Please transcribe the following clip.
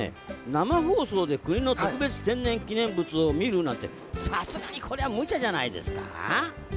生放送で国の特別天然記念物を見るなんてさすがにこれはむちゃじゃないですか？